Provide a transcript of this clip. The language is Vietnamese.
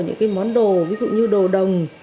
những món đồ ví dụ như đồ đồng